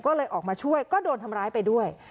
ก็เลยออกมาช่วยก็โดนทำร้ายไปด้วย